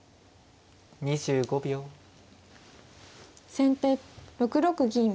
先手６六銀。